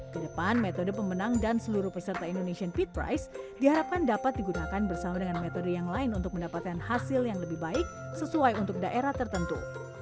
kedepan metode pemenang dan seluruh peserta indonesian feed price diharapkan dapat digunakan bersama dengan metode yang lain untuk mendapatkan hasil yang lebih baik sesuai untuk daerah tertentu